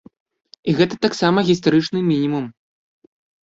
І гэта таксама гістарычны мінімум.